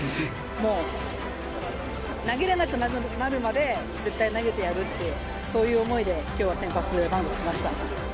もう、投げれなくなるまで絶対投げてやるって、そういう思いで、きょうは先発マウンドに立ちました。